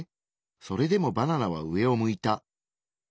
それでもバナナは上を向いた。